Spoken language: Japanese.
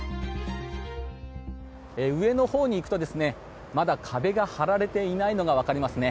上のほうに行くとまだ壁が張られていないのがわかりますね。